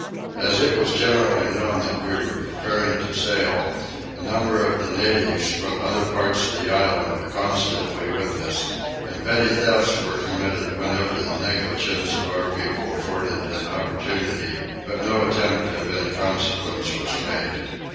As it was generally known that we were preparing to sail a number of the natives from other parts of the island were constantly with us, and petty thefts were committed whenever the negligence of our people afforded an opportunity: but no attempt of any consequence was made.